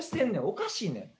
おかしいねん。